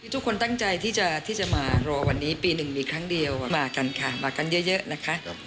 ทุกคนตั้งใจที่จะมารอวันนี้ปีหนึ่งมีครั้งเดียวมากันค่ะมากันเยอะนะคะ